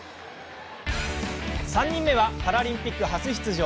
３人目はパラリンピック初出場。